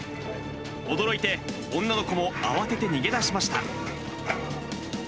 驚いて、女の子も慌てて逃げ出しました。